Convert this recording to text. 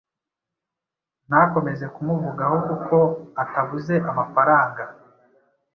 ntakomeze kumuvugaho kuko atabuze amafaranga